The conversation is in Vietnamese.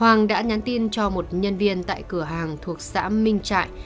hoàng đã nhắn tin cho một nhân viên tại cửa hàng thuộc xã minh trại